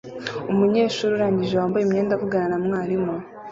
Umunyeshuri urangije wambaye imyenda avugana na mwarimu